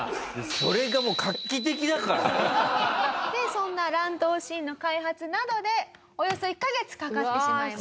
そんな乱闘シーンの開発などでおよそ１カ月かかってしまいます。